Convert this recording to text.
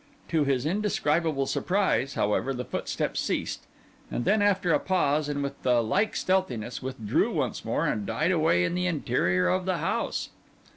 To his indescribable surprise, however, the footsteps ceased, and then, after a pause and with the like stealthiness, withdrew once more, and died away in the interior of the house.